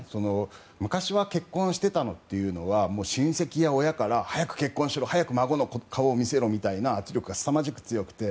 昔は結婚していたのは親戚や親から早く結婚しろ早く孫の顔を見せろというような圧力がすさまじく強くて。